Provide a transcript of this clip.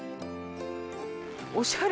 おしゃれ。